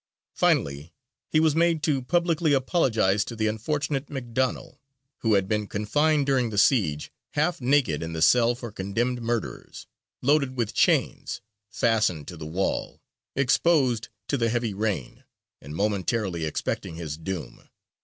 Finally, he was made to publicly apologize to the unfortunate McDonell, who had been confined during the siege half naked in the cell for condemned murderers, loaded with chains, fastened to the wall, exposed to the heavy rain, and momentarily expecting his doom.